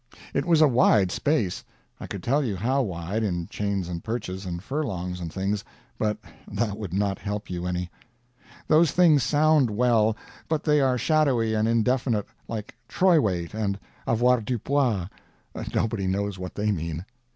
It was a wide space; I could tell you how wide, in chains and perches and furlongs and things, but that would not help you any. Those things sound well, but they are shadowy and indefinite, like troy weight and avoirdupois; nobody knows what they mean.